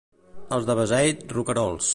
Els de Beseit, roquerols.